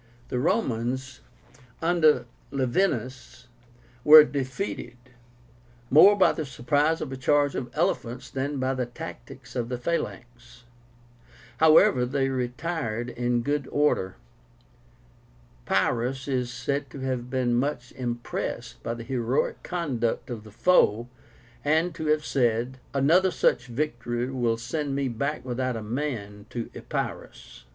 The Romans, under LAEVÍNUS, were defeated, more by the surprise of a charge of elephants than by the tactics of the phalanx. However, they retired in good order. Pyrrhus is said to have been much impressed by the heroic conduct of the foe, and to have said, "Another such victory will send me back without a man to Epirus."